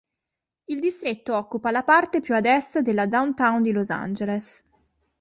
Il distretto occupa la parte più ad est della Downtown di Los Angeles.